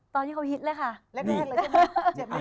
ตอนที่เขาฮิตเลยค่ะ